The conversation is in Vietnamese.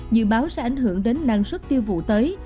dự báo sẽ ảnh hưởng đến năng suất tiêu vụ tới